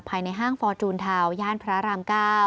ภายในห้างฟอร์จูนทาวน์ย่านพระราม๙